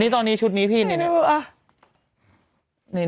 นี่ตอนนี้ชุดนี้พี่พี่